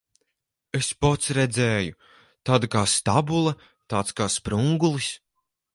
Es pats redzēju. Tāda kā stabule, tāds kā sprungulis.